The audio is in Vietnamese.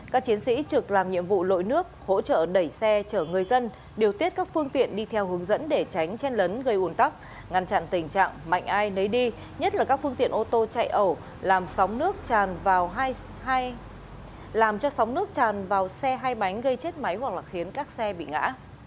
các chiến sĩ trực làm nhiệm vụ lội nước hỗ trợ đẩy xe chở người dân điều tiết các phương tiện đi theo hướng dẫn để tránh chen lấn gây ổn tắc ngăn chặn tình trạng mạnh ai nấy đi nhất là các phương tiện ô tô chạy ẩu làm cho sóng nước tràn vào xe hay bánh gây chết máy hoặc khiến các xe bị ngã